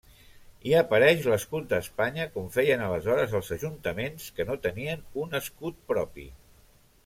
Hi apareix l'escut d'Espanya, com feien aleshores els ajuntaments que no tenien un escut propi.